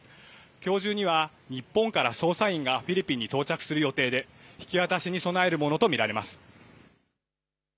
きょう中には日本から捜査員がフィリピンに到着する予定で引き渡しに備えるものと見られます。